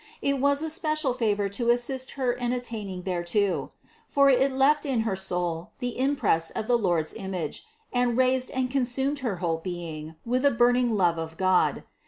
It was a special favor to assist Her in attaining thereto; for it left in her soul the impress of the Lord's image, and raised and consumed her whole being with a burning love of God.